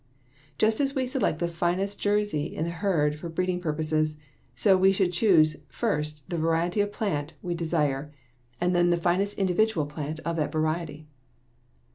Just as we select the finest Jersey in the herd for breeding purposes, so we should choose first the variety of plant we desire and then the finest individual plant of that variety.